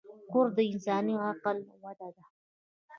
کورس د انساني عقل وده ده.